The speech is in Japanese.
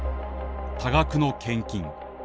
多額の献金。